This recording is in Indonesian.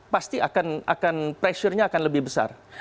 pasti akan pressure nya akan lebih besar